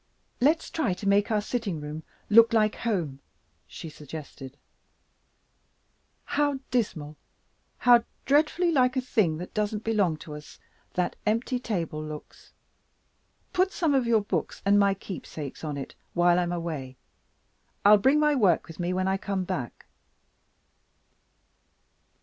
"Let's try to make our sitting room look like home," she suggested. "How dismal, how dreadfully like a thing that doesn't belong to us, that empty table looks! Put some of your books and my keepsakes on it, while I am away. I'll bring my work with me when I come back."